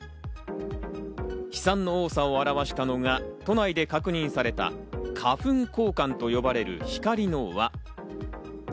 飛散の多さを表したのが、都内で確認された花粉光環と呼ばれる光の輪。